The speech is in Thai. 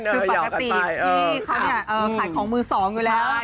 คือปกติพี่เขาเนี่ยขายของมือสองอยู่แล้ว